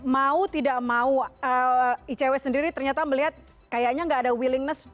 mau tidak mau icw sendiri ternyata melihat kayaknya nggak ada willingness